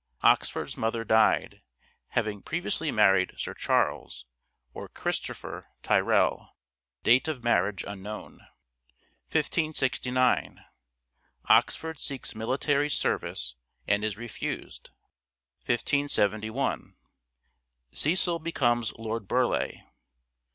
Oxford's mother died (having previously married Sir Charles — or Christopher — Tyrell. Date of marriage unknown). 1569. Oxford seeks military service and is refused. 1571. Cecil becomes Lord Burleigh.